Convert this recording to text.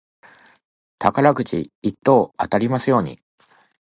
宝くじ一等当たりますように。